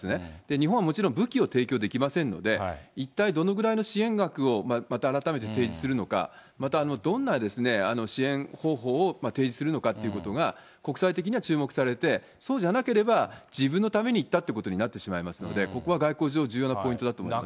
日本はもちろん、武器を提供できませんので、一体どのぐらいの支援額をまた改めて提示するのか、またどんな支援方法を提示するのかってことが、国際的には注目されて、そうじゃなければ、自分のために行ったってことになってしまいますので、ここは外交上、重要なポイントだと思います。